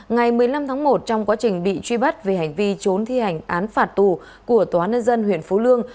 ngày một mươi năm tháng một trong quá trình bị truy bắt về hành vi trốn thi hành án phạt tù của tòa nân dân huyện phú lương